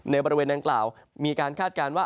บริเวณดังกล่าวมีการคาดการณ์ว่า